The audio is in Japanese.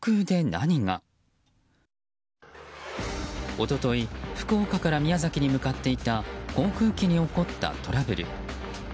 一昨日福岡から宮崎に向かっていた航空機に起こったトラブル。